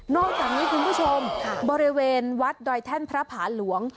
อกจากนี้คุณผู้ชมบริเวณวัดดอยแท่นพระผาหลวง